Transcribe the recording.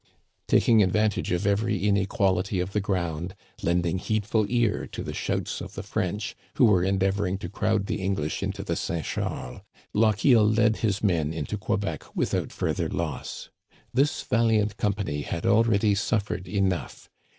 Taking advantage of every inequality of the ground, lending heedful ear to the shouts of the French, who were endeavoring to crowd the English into the St. Charles, Lochiel led his men into Quebec without fur ther loss. This valiant company had already suffered enough.